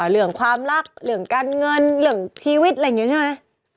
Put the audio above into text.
เรื่องความรักเรื่องการเงินเรื่องชีวิตอะไรอย่างนี้ใช่ไหม